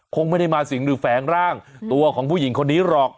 คงไม่ได้มาสิงหรือแฝงร่างตัวของผู้หญิงคนนี้หรอก